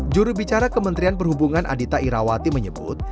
jurubicara kementerian perhubungan adita irawati menyebut